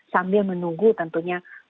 sambil menunggu tentunya